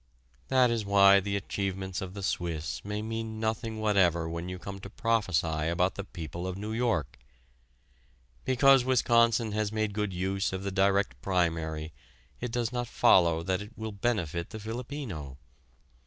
That is why the achievements of the Swiss may mean nothing whatever when you come to prophesy about the people of New York. Because Wisconsin has made good use of the direct primary it does not follow that it will benefit the Filipino.